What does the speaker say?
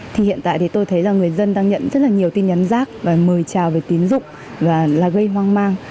thì hiện tại thì tôi thấy là người dân đang nhận rất là nhiều tin nhắn rác và mời trào về tín dụng và là gây hoang mang